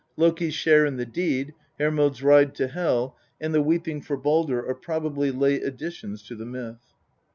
Loki's share in the deed, Hermod's ride to Hel, and the weeping for Baldr are probably late additions to the myth.